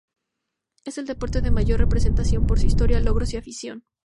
Es el deporte de mayor representación por su historia, logros y afición.